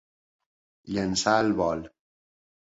Llançar al vol.